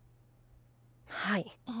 はい。